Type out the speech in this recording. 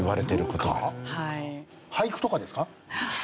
俳句とかですか？